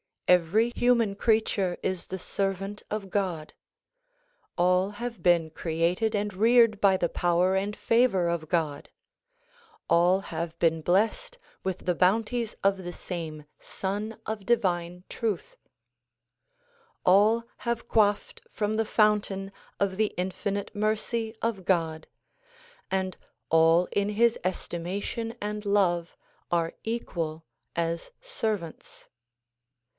Every human creature is the servant of God. All have been created and reared by the power and favor of God; all have been blessed with the bounties of the same Sun of divine truth ; all have quaffed from the fountain of the infinite mercy of God; and all in his estimation and love are equal as servants.